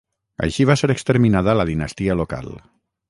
Així va ser exterminada la dinastia local.